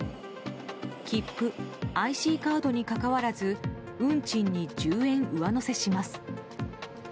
切符、ＩＣカードにかかわらず運賃に１０円上乗せします。